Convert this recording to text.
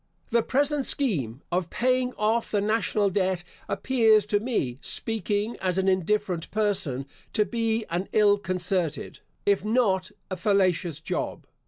The present scheme of paying off the national debt appears to me, speaking as an indifferent person, to be an ill concerted, if not a fallacious job.